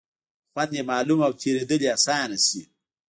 خوند یې معلوم او تېرېدل یې آسانه شي.